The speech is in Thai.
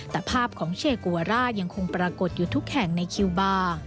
แต่ภาพของเชโกวาร่ายังคงปรากฏอยู่ทุกแห่งในคิวบาร์